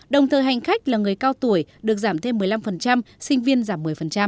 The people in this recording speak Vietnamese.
đồng thời hành khách là người cao tuổi được giảm thêm một mươi năm sinh viên giảm một mươi